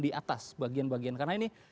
di atas bagian bagian karena ini